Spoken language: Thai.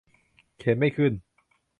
เข็นไม่ขึ้น